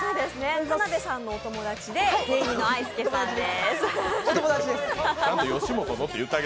田辺さんのお友達で芸人のあいすけさんです。